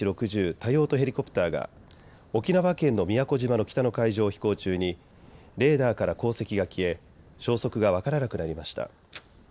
多用途ヘリコプターが沖縄県の宮古島の北の海上を飛行中にレーダーから航跡が消え消息が分からなくなりました。